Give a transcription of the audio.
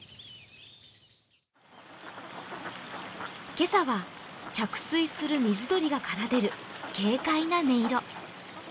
今朝は着水する水鳥が奏でる軽快な音色。